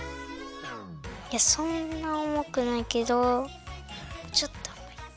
そんなおもくないけどちょっとおもい。